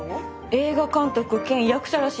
映画監督兼役者らしいです。